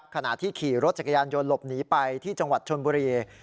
ขณะที่ขี่รถจักรยานยนต์หลบหนีไปที่จังหวัดชนบุรี